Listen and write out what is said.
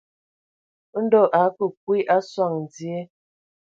Ndɔ a akə kwi a sɔŋ dzie.